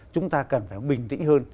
chúng ta cần phải bình tĩnh hơn